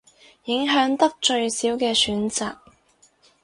影響得最少嘅選擇